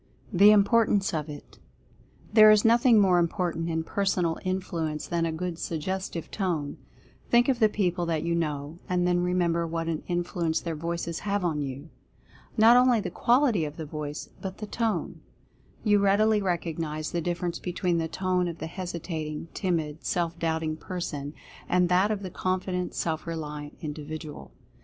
THE IMPORTANCE OF IT. There is nothing more important in Personal Influ ence than a good Suggestive Tone. Think of the people that you know, and then remember what an influence their voices have on you. Not only the qual ity of the voice, but the Tone. You readily recognize the difference between the tone of the hesitating, timid, self doubting person, and that of the confident, self reliant individual.